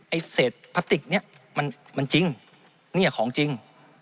ไอ้เศษพลาติกเนี่ยมันจริงเนี่ยของจริง